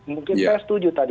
mungkin saya setuju tadi